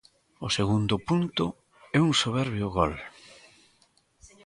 O segundo punto é un soberbio gol.